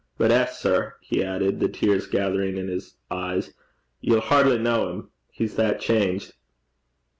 But eh, sir!' he added, the tears gathering in his eyes, 'ye'll hardly ken 'im. He's that changed!'